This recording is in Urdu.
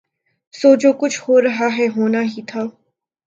سو جو کچھ ہورہاہے ہونا ہی تھا۔